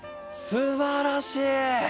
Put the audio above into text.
すばらしい！